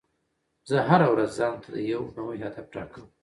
زه هره ورځ ځان ته یو نوی هدف ټاکم.